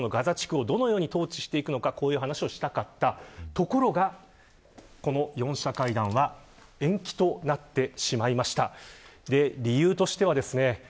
ところが、この４者会談は延期となってしまいました。